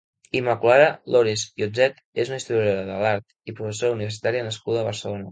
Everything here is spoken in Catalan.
Immaculada Lorés i Otzet és una historiadora de l'art i professora universitària nascuda a Barcelona.